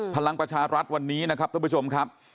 พลังประชารัฐวันนี้นะครับท่านผู้ชมครับ